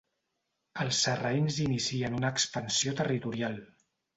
Els sarraïns inicien una expansió territorial.